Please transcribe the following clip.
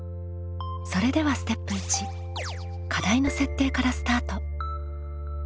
それではステップ１課題の設定からスタート。